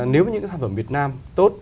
nếu những sản phẩm việt nam tốt